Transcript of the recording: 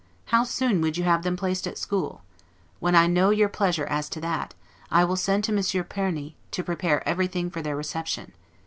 How soon would you have them placed at school? When I know your pleasure as to that, I will send to Monsieur Perny, to prepare everything for their reception.